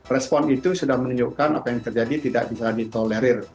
respon itu sudah menunjukkan apa yang terjadi tidak bisa ditolerir